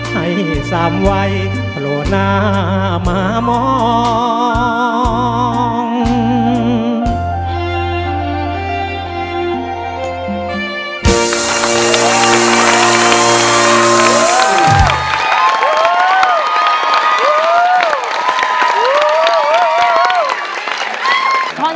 ให้สามวัยโผล่หน้ามามอง